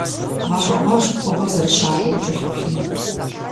ГъэщӀэгъуэнщ къугъыр зэрыщакӀуэм укӀэлъыплъыну.